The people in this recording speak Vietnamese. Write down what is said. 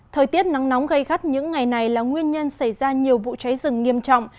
thời tiết nắng nóng gây gắt những ngày này là nguyên nhân xảy ra nhiều vụ cháy rừng nghiêm trọng